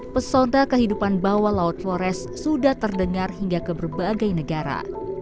pesoda kehidupan bawah laut flores sudah terdengar hingga ke berbagai negara